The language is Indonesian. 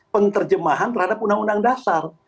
penerjemahan terhadap undang undang dasar